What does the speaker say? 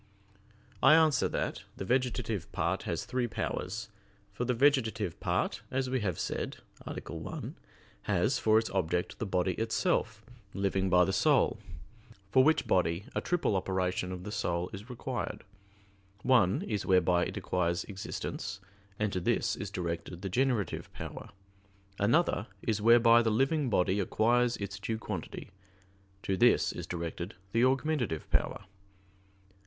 I answer that, The vegetative part has three powers. For the vegetative part, as we have said (A. 1), has for its object the body itself, living by the soul; for which body a triple operation of the soul is required. One is whereby it acquires existence, and to this is directed the generative power. Another is whereby the living body acquires its due quantity; to this is directed the augmentative power.